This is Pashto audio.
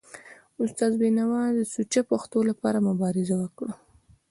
استاد بینوا د سوچه پښتو لپاره مبارزه وکړه.